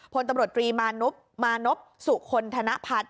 พลตำรวจตรีมานพมานพสุคลธนพัฒน์